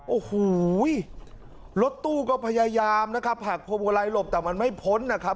โอ้โหรถตู้ก็พยายามนะครับหักพวงมาลัยหลบแต่มันไม่พ้นนะครับ